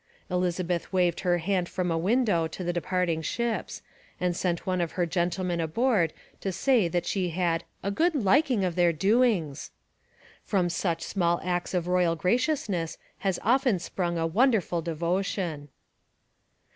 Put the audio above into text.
Elizabeth waved her hand from a window to the departing ships and sent one of her gentlemen aboard to say that she had 'a good liking of their doings.' From such small acts of royal graciousness has often sprung a wonderful devotion.